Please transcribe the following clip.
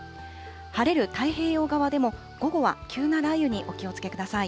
晴れる太平洋側でも、午後は急な雷雨にお気をつけください。